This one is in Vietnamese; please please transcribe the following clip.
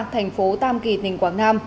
thành phố tam kỳ tỉnh quảng nam